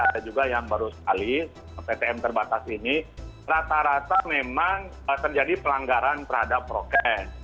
ada juga yang baru sekali ptm terbatas ini rata rata memang terjadi pelanggaran terhadap prokes